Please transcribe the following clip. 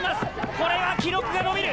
これは記録が伸びる！